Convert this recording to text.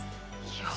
いや